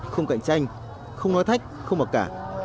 không cạnh tranh không nói thách không mặc cả